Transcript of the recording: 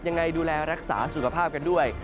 ยังไงดูแลรักษาสุขภาพกันด้วย